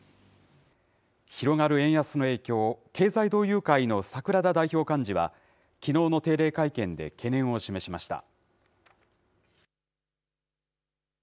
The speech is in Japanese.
広がる円安の影響、経済同友会の櫻田代表幹事は、きのうの定例会見で懸念を示しました。